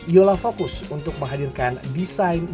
yola fokus untuk menghadirkan desain